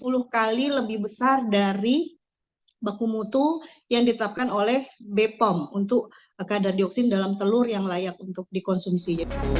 itu nilainya sampai tujuh puluh kali lebih besar dari baku mutu yang ditetapkan oleh bepom untuk kadar dioksin dalam telur yang layak untuk dikonsumsi